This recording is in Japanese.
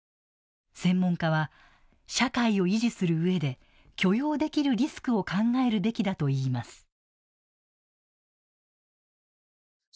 専門家は社会を維持するうえで許容できるリスクを考えるべきだといいます。